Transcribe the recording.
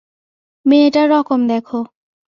মেয়েটার রকম দেখো।